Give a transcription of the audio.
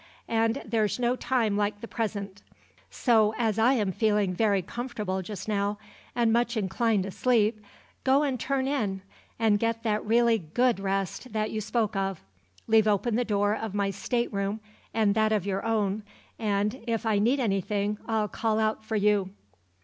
"And there's no time like the present; so, as I am feeling very comfortable just now, and much inclined to sleep, go and turn in, and get that really good rest that you spoke of. Leave open the door of my state room, and that of your own, and if I need anything I'll call out for you."